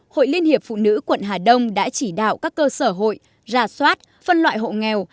hội liên hiệp phụ nữ quận hà đông đã chỉ đạo các cơ sở hội ra soát phân loại hộ nghèo